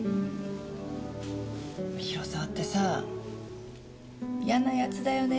広澤ってさ嫌なヤツだよね。